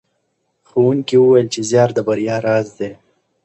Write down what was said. ښوونکي وویل چې زیار د بریا راز دی.